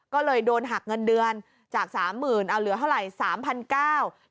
ก็เลยโดนหักเงินเดือนจาก๓๐๐๐๐บาทเอาเหลือเท่าไหร่๓๙๐๐บาท